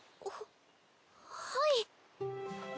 あはい。